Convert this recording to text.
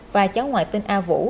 và cháu ngoại tên a vũ